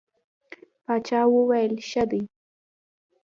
باچا وویل ښه دی.